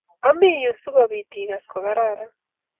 ami yu si ko bit I kass ko kararan